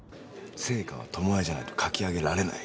『ＳＥＩＫＡ』は巴じゃないと描き上げられない。